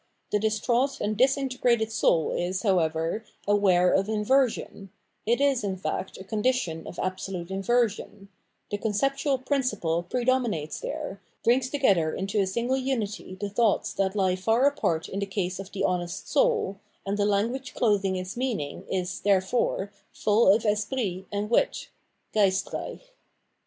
The distraught and disintegrated soul is, however, aware of inversion; it is, in fact, a condition of absolute inversion : the con ceptual principle predominates there, brings together into a single unity the thoughts that He far apart in the case of the honest soul, and the language clothing its meaning is, therefore, full of esprit and wit {geistreicJi).